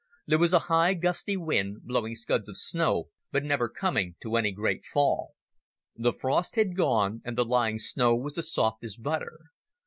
There was a high, gusty wind, blowing scuds of snow but never coming to any great fall. The frost had gone, and the lying snow was as soft as butter.